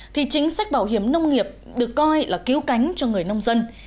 thì chính sách bảo hiểm nông nghiệp được coi là cứu cánh cho người nông dân